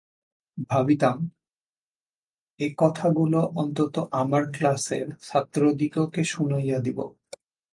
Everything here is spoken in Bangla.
ভাবিতাম, একথাগুলো অন্তত আমার ক্লাসের ছাত্রদিগকে শুনাইয়া দিব।